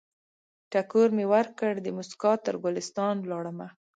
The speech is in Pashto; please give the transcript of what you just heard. ټکور مې ورکړ، دموسکا تر ګلستان ولاړمه